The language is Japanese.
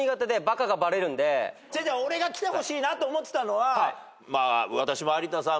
俺が来てほしいなと思ってたのは。